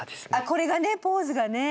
これがねポーズがね。